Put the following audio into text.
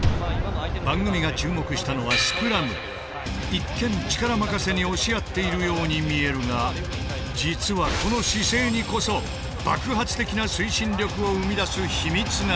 一見力任せに押し合っているように見えるが実はこの姿勢にこそ爆発的な推進力を生み出す秘密がある。